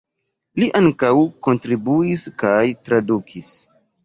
Li ankaŭ kontribuis kaj tradukis.